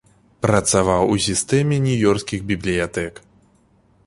Працаваў у сістэме нью-ёркскіх бібліятэк.